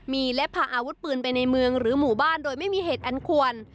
มีและพาอาวุธปืนไปในเมืองหรือหมู่บ้านโดยไม่มีเหตุอันควร